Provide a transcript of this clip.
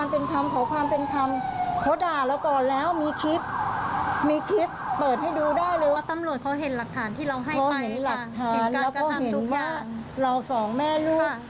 เพราะเห็นหลักฐานแล้วก็เห็นว่าเราสองแม่ลูก